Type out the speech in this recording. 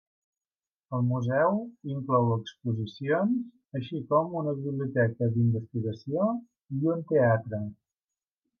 El museu inclou exposicions així com una biblioteca d'investigació i un teatre.